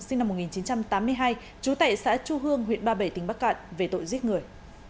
sinh năm một nghìn chín trăm tám mươi hai trú tại xã chu hương huyện ba bể tỉnh bắc cạn về tội giết người